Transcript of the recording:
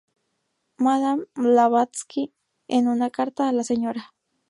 Madame Blavatsky, en una carta a la Sra.